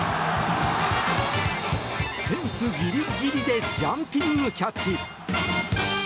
フェンスギリギリでジャンピングキャッチ！